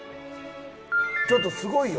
ちょっとすごいよ。